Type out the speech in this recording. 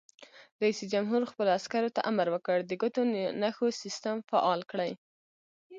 رئیس جمهور خپلو عسکرو ته امر وکړ؛ د ګوتو نښو سیسټم فعال کړئ!